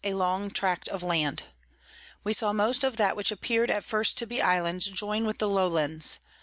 a long Tract of Land. We saw most of that which appear'd at first to be Islands, join with the low Lands.